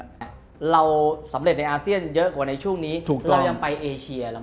บ๊วยบรรยายเราสำเร็จในอาเซียนเยอะกว่าในช่วงนี้เรายังไปเอเชียล่ะความ